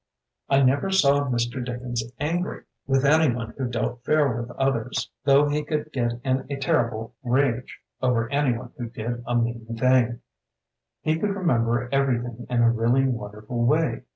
"I never saw Mr. Dickens angry 52 THE BOOKMAN with anyone who dealt fair with others, though he could get in a ter rible rage over anyone who did a mean thing. He could remember everything in a really wonderful way.